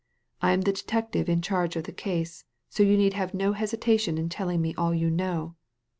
I am the detective in charge of the case, so you need have no hesitation in telling me all you know."